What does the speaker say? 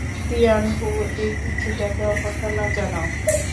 Tian Hu, এই পিচ্চিটাকে অভ্যর্থনা জানাও।